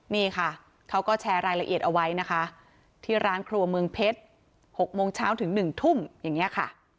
นี่ค่ะเขาก็แชร์รายละเอียดเอาไว้นะคะที่ร้านครัวเมืองเพชร๖โมงเช้าถึง๑ทุ่มอย่างนี้ค่ะ